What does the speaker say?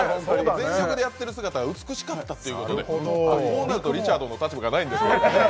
全力でやっている姿が美しかったということでこうなるとリチャードの立場がないんですけどね。